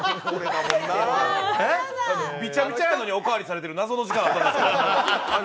びちゃびちゃやのに、おかわりされてる謎の時間、あったんですけど。